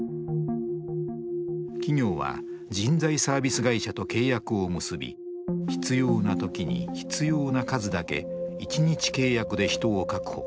企業は人材サービス会社と契約を結び必要な時に必要な数だけ一日契約で人を確保。